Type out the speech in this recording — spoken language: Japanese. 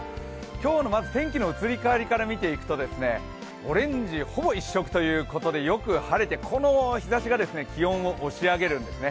今日の天気の移り変わりから見ていくとオレンジほぼ一色ということでよく晴れて、この日ざしが気温を押し上げるんですね。